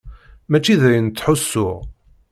Mačči d ayen ttḥussuɣ.